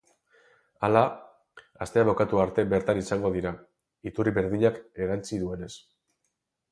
Hala, astea bukatu arte bertan izango dira, iturri berdinak erantsi duenez.